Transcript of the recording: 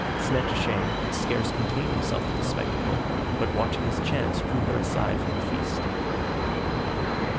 Snettishane could scarce contain himself at the spectacle, but watching his chance drew her aside from the feast.